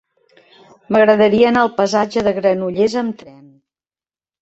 M'agradaria anar al passatge de Granollers amb tren.